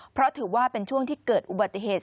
เพราะถือว่าเป็นช่วงที่เกิดอุบัติเหตุ